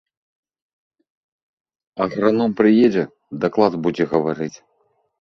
Аграном прыедзе, даклад будзе гаварыць.